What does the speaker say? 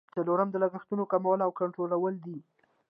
څلورم د لګښتونو کمول او کنټرولول دي.